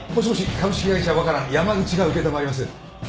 株式会社ワカラン山口が承ります。